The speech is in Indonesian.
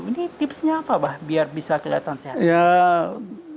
ini tipsnya apa bah biar bisa kelihatan sehat